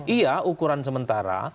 iya ukuran sementara